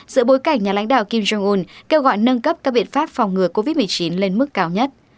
giữa bối cảnh nhà lãnh đạo kim jong un kêu gọi nâng cấp các biện pháp phòng ngừa covid một mươi chín lên mức cao nhất